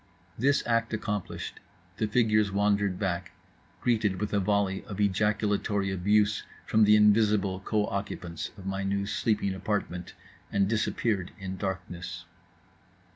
This act accomplished, the figures wandered back, greeted with a volley of ejaculatory abuse from the invisible co occupants of my new sleeping apartment; and disappeared in darkness.